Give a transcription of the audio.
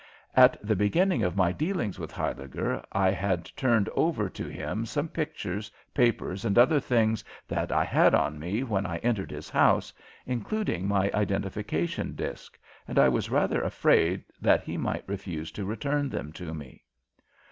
At the beginning of my dealings with Huyliger I had turned over to him some pictures, papers, and other things that I had on me when I entered his house, including my identification disk, and I was rather afraid that he might refuse to return them to me.